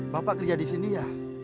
bapak kerja di sini ya